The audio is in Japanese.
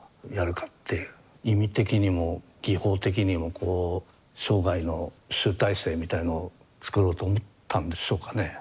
意味的にも技法的にもこう生涯の集大成みたいのを作ろうと思ったんでしょうかね。